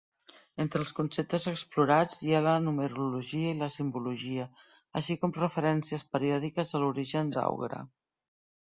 Entre els conceptes explorats hi ha la numerologia i la simbologia, així com referències periòdiques a l'origen d'Aughra.